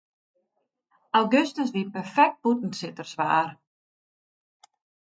Augustus wie perfekt bûtensitterswaar.